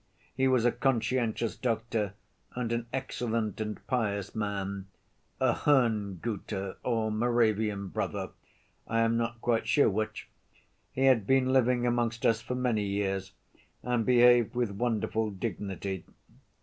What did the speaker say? He was a conscientious doctor and an excellent and pious man, a Hernguter or Moravian brother, I am not quite sure which. He had been living amongst us for many years and behaved with wonderful dignity.